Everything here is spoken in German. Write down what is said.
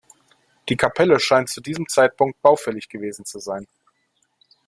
Die Kapelle scheint zu diesem Zeitpunkt baufällig gewesen zu sein.